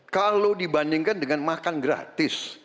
kalau dibandingkan dengan makan gratis